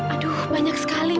aduh banyak sekali